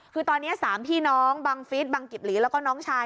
คือตอนนี้๓พี่น้องบังฟิศบังกิบหลีแล้วก็น้องชาย